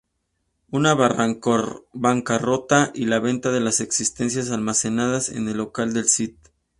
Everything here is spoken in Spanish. Una bancarrota y la venta de las existencias almacenadas en el local de St.